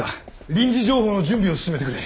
臨時情報の準備を進めてくれ。